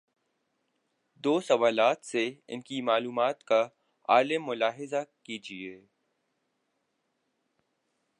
دو سوالات سے ان کی معلومات کا عالم ملاحظہ کیجیے۔